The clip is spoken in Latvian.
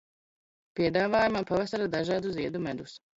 Piedāvājumā pavasara dažādu ziedu medus.